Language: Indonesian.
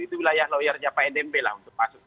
itu wilayah lawyarnya pak ndb lah untuk masuk